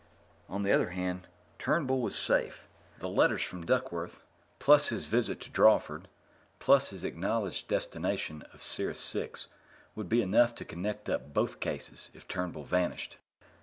On the other hand, Turnbull was safe. The letters from Duckworth, plus his visit to Drawford, plus his acknowledged destination of Sirius IV, would be enough to connect up both cases if Turnbull vanished.